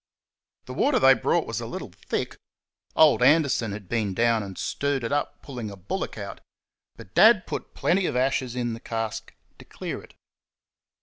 The water they brought was a little thick old Anderson had been down and stirred it up pulling a bullock out; but Dad put plenty ashes in the cask to clear it.